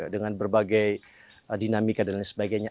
dengan berbagai dinamika dan lain sebagainya